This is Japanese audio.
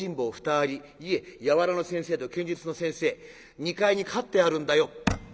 ２人いえ柔の先生と剣術の先生２階に飼ってあるんだよ」。